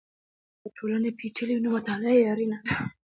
که ټولنه پېچلې وي نو مطالعه یې اړینه ده.